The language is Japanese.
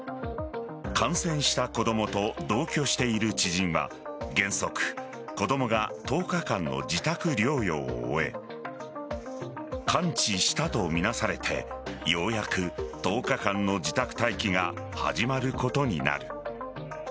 感染した子供と同居している知人は原則、子供が１０日間の自宅療養を終え完治したとみなされてようやく１０日間の自宅待機が始まることになる。